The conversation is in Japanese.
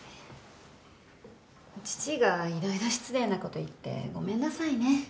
父がいろいろ失礼な事言ってごめんなさいね。